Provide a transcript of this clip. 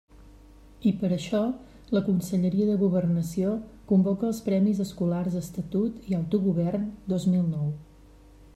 I, per això, la Conselleria de Governació convoca els premis escolars Estatut i Autogovern dos mil nou.